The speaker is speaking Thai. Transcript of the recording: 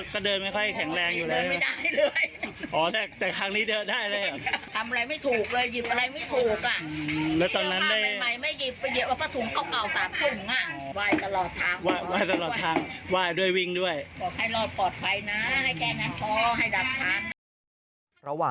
ค่ะ